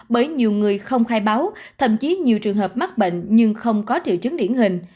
bởi nhiều người không khai báo thậm chí nhiều trường hợp mắc bệnh nhưng không có triệu chứng điển hình